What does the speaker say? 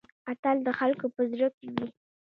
اتل د خلکو په زړه کې وي؟